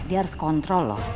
dia harus kontrol loh